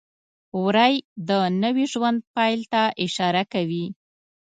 وری د نوي ژوند پیل ته اشاره کوي.